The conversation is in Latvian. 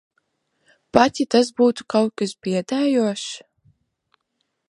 Pat ja tas būtu kaut kas biedējošs?